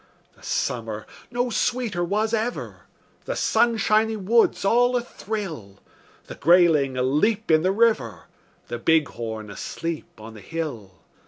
The summer no sweeter was ever; The sunshiny woods all athrill; The grayling aleap in the river, The bighorn asleep on the hill.